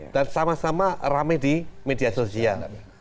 dan sama sama ramai di media sosial